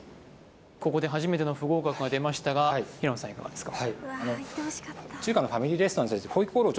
ここで初めての不合格が出ましたが平野さんいかがですか？